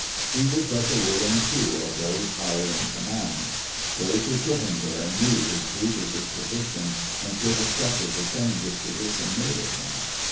He was but the willing tool of those higher in command. Those who put him there knew his brutal disposition, and should have suffered the same disposition made of him.